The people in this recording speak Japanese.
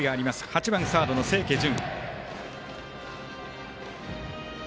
８番サードの清家準。